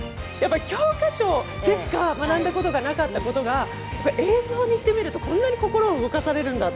教科書でしか学んだことがなかったことが映像にしてみるとこんなに心を動かされるんだって。